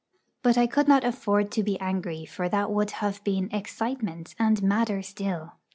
But I could not afford to be angry, for that would have been 'excitement' and madder still.